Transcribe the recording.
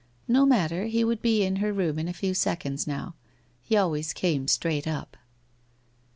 No matter, he would be in her room in a few seconds now. He always came straight up.